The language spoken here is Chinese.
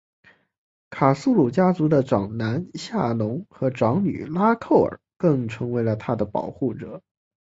卡苏鲁家族的长男夏农和长女拉蔻儿更成为了她的保护者。